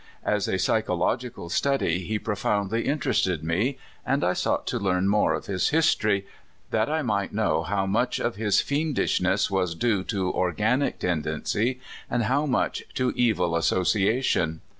As a psychological study he pro foundly interested me, and I sought to learn more of his history, that I might know how much of his fiendishness was due to organic tendency, and how much to evil association.